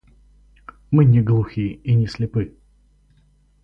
Мы не глухи и не слепы.